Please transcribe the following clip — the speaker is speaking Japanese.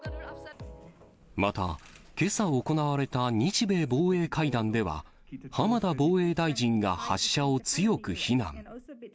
また、けさ行われた日米防衛会談では、浜田防衛大臣が発射を強く非難。